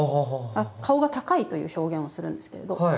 顔が高いという表現をするんですけれど縦に長い。